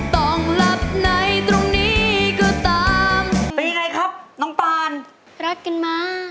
ต้องรับไหนตรงนี้ก็ตาม